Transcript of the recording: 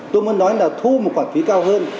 tôi muốn nói là thu một khoản phí cao hơn